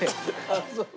あっそう。